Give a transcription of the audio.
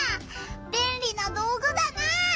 べんりな道ぐだな！